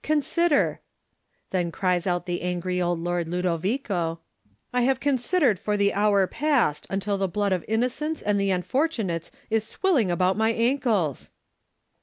Consider/' Then cries out the angry old Lord Ludo vico, "I have considered for the hour past, until the blood of innocents and the unfor tunates is swilling about my ankles."